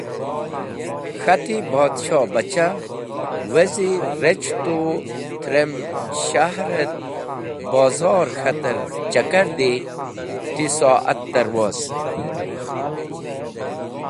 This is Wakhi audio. K̃hati: “Podshohbachah! Wezi rec̃h tu atrem s̃hahr et bozor k̃hater chakar di, ti so’at tir wost.